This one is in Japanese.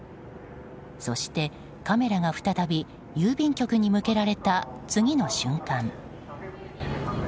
そして、カメラが再び郵便局に向けられた次の瞬間。